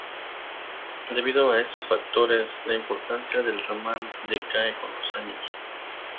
Debido a estos factores, la importancia del ramal decae con los años.